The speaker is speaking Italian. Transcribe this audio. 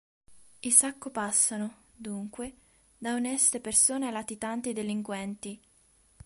I Sacco passano, dunque, da oneste persone a latitanti delinquenti.